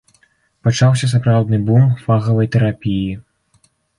Пачаўся сапраўдны бум фагавай тэрапіі.